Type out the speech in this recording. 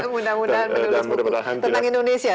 mudah mudahan menulis buku tentang indonesia